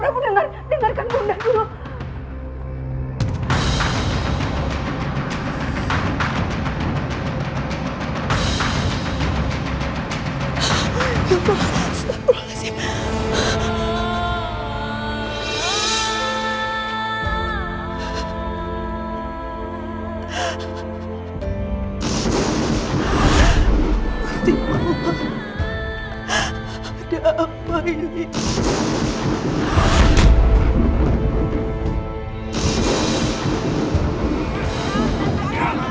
ananda prabu dengarkan bunda dulu